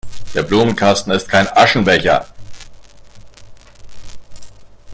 Der Blumenkasten ist kein Aschenbecher!